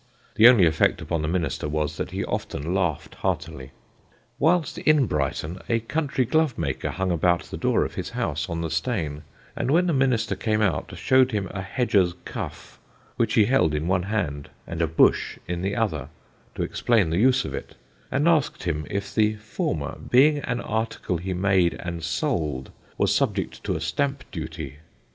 The only effect upon the Minister was, that he often laughed heartily. Whilst in Brighton, a country glove maker hung about the door of his house on the Steyne; and when the Minister came out, showed him a hedger's cuff, which he held in one hand, and a bush in the other, to explain the use of it, and asked him if the former, being an article he made and sold, was subject to a Stamp Duty?